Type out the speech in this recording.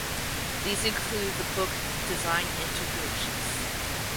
These include the book Design Integrations.